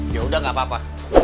yaudah nggak apa apa